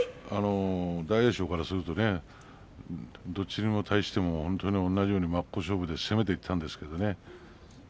大栄翔からするとどちらに対しても同じように真っ向勝負で攻めていったんですけれどね。